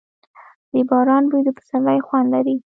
د باران بوی د پسرلي خوند لري.